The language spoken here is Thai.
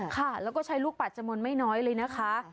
ค่ะแล้วก็ใช้ลูกปัดจำนวนไม่น้อยเลยนะคะ